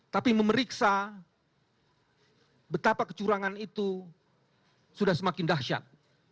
tapi memeriksa betapa kecurangan itu sudah semakin dahsyat